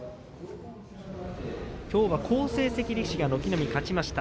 きょうは好成績力士が軒並み勝ちました。